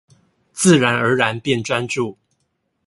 自然而然變專注